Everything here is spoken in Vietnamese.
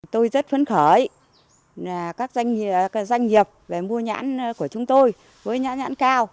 tôi rất phấn khởi các doanh nghiệp về mua nhãn của chúng tôi với nhãn cao